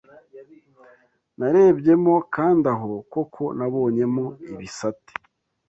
Narebyemo kandi aho koko nabonyemo ibisate